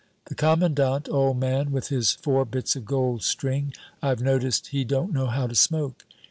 "The commandant, old man, with his four bits of gold string, I've noticed he don't know how to smoke.